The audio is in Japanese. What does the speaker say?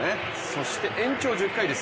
そして延長１０回です。